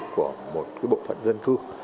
của một bộ phận dân cư